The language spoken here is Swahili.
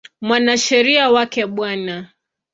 Mwanasheria wake Bw.